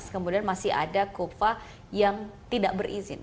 kemudian masih ada kova yang tidak berizin